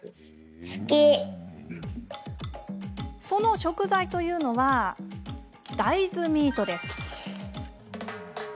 その食材というのは大豆ミートです。